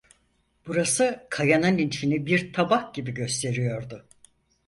Burası kayanın içini bir tabak gibi gösteriyordu.